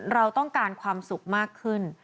เราต้องการความสุขมากขึ้น